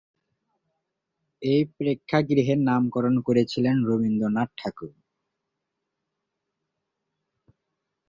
এই প্রেক্ষাগৃহের নামকরণ করেছিলেন রবীন্দ্রনাথ ঠাকুর।